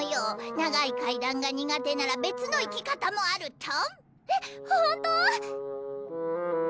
長い階段が苦手なら別の行き方もあるトンえっほんと？